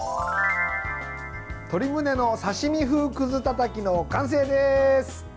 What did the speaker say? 鶏むねの刺身風くずたたきの完成です！